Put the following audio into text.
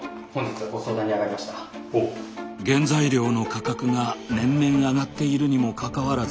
原材料の価格が年々上がっているにもかかわらず